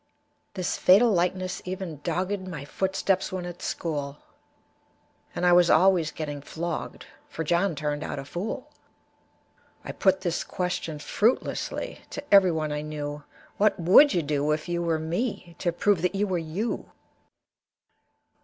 This fatal likeness even dogged My footsteps when at school, And I was always getting flogged, For John turned out a fool. I put this question, fruitlessly, To everyone I knew, "What would you do, if you were me, To prove that you were you?"